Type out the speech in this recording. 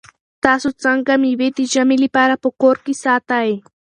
تاسو څنګه مېوې د ژمي لپاره په کور کې ساتئ؟